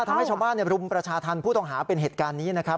ทำให้ชาวบ้านรุมประชาธรรมผู้ต้องหาเป็นเหตุการณ์นี้นะครับ